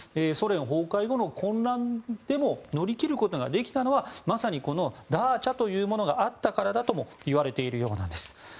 ソ連崩壊後の混乱でも乗り切ることができたのはまさにこのダーチャというものがあったからだともいわれているようなんです。